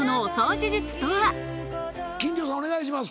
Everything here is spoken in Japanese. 続いては金城さんお願いします。